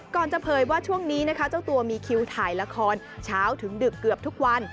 จะเผยว่าช่วงนี้นะคะเจ้าตัวมีคิวถ่ายละครเช้าถึงดึกเกือบทุกวัน